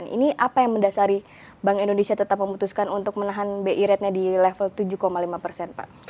ini apa yang mendasari bank indonesia tetap memutuskan untuk menahan bi ratenya di level tujuh lima persen pak